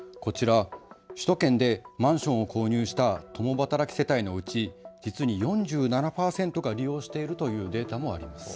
こちら、首都圏でマンションを購入した共働き世帯のうち実に４７％が利用しているというデータもあります。